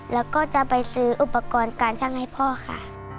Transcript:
แล้วก็จะไปซื้ออุปกรณ์การช่างให้พ่อค่ะ